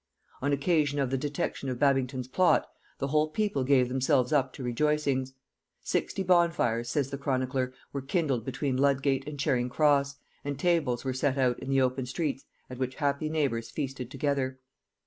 On occasion of the detection of Babington's plot, the whole people gave themselves up to rejoicings. Sixty bonfires, says the chronicler, were kindled between Ludgate and Charing Cross, and tables were set out in the open streets at which happy neighbours feasted together.